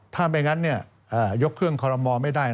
ถ้าไม่งั้นยกเคลื่อนคลมศูนย์ไม่ได้